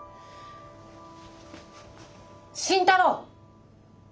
慎太郎！